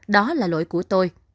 đó là lỗi của tôi